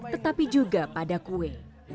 tetapi juga pada kue